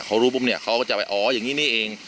เขารู้ปุ๊บเนี่ยเขาก็จะไปอ๋ออย่างนี้นี่เอง